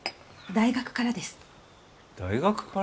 大学から？